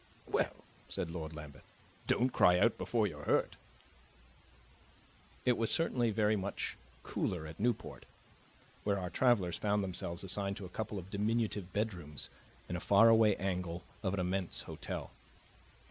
"Well," said Lord Lambeth, "don't cry out before you're hurt!" It was certainly very much cooler at Newport, where our travelers found themselves assigned to a couple of diminutive bedrooms in a faraway angle of an immense hotel.